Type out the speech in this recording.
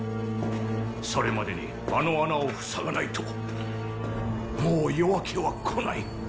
それまでにあの穴を塞がないともう夜明けは来ない。